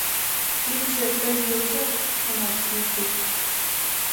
«Лӱмжӧ Тойвий, ужат? — шоналтыш Метрий.